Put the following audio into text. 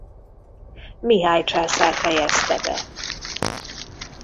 Mihály császár fejezte be.